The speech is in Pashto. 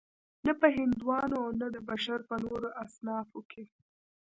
نه په هندیانو او نه د بشر په نورو اصنافو کې.